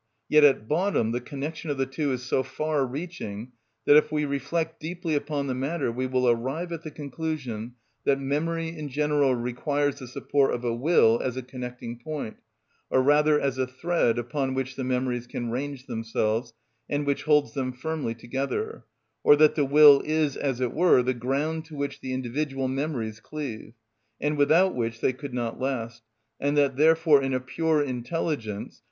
Yet at bottom the connection of the two is so far reaching that if we reflect deeply upon the matter we will arrive at the conclusion that memory in general requires the support of a will as a connecting point, or rather as a thread upon which the memories can range themselves, and which holds them firmly together, or that the will is, as it were, the ground to which the individual memories cleave, and without which they could not last; and that therefore in a pure intelligence, _i.